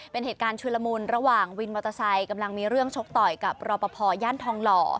เป็นเหตุการณ์ชุลมุนระหว่างวินมอเตอร์ไซค์กำลังมีเรื่องชกต่อยกับรอปภย่านทองหล่อ